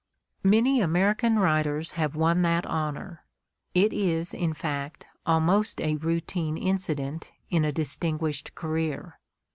Many American writers have won that honor ; it is, in fact, almost a routine incident in a distinguished career.